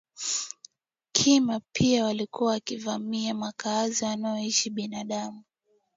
Kima pia walikuwa wakivamia makazi wanayoishi binadamu